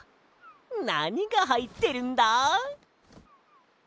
なにがはいってるんだ？